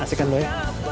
asik kan doi